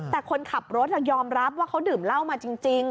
แต่คนขับรถยอมรับว่าเขาดื่มเหล้ามาจริง